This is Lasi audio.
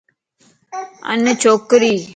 آن ڇوڪري